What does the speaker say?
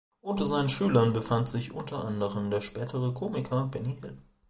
Unter seinen Schülern befand sich unter anderem der spätere Komiker Benny Hill.